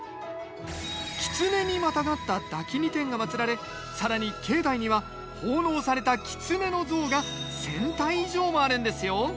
狐にまたがった荼枳尼天が祭られ更に境内には奉納された狐の像が１，０００体以上もあるんですよ。